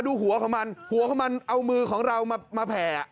ดูหัวของมันหัวของมันเอามือของเรามาแผ่